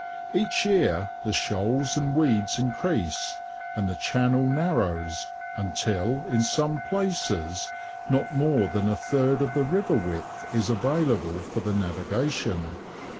Each year the shoals and weeds increase, and the channel narrows, until in some places not more than a third of the river width is available for the navigation.